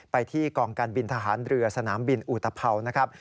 ไปที่กองการบินทหารเรือสนามบินอุตภัวนะครับ